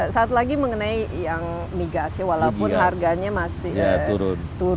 saat lagi mengenai yang migasnya walaupun harganya masih turun